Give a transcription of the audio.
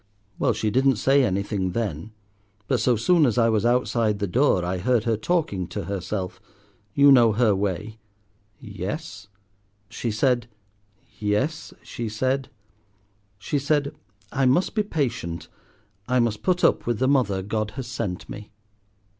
"Well, she didn't say anything then, but so soon as I was outside the door, I heard her talking to herself—you know her way?" "Yes?" "She said—" "Yes, she said?" "She said, 'I must be patient. I must put up with the mother God has sent me.